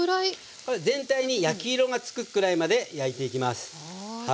これは全体に焼き色がつくくらいまで焼いていきます。